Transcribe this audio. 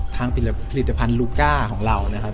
ผลิตภัณฑ์ลูก้าของเรานะครับ